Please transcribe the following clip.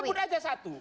sebut aja satu